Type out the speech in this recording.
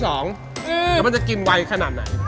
แล้วมันจะกินไวขนาดไหน